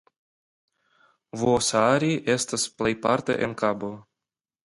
Vuosaari estas plejparte en kabo.